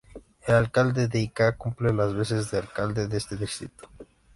El alcalde de Ica cumple las veces de alcalde de este distrito.